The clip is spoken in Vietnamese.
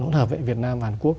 hỗn hợp với việt nam và hàn quốc